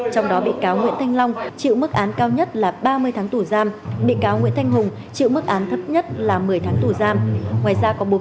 trong đó bị cáo nguyễn thanh long chịu mức án cao nhất là ba mươi tháng tù giam bị cáo nguyễn thanh hùng chịu mức án thấp nhất là một mươi tháng tù giam